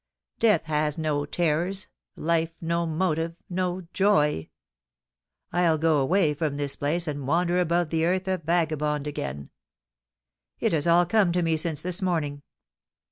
Death has no terrors, life no motive, no joy. I'll go away from this place, and wander about the earth a vagabond again. It has all come to me since this morning.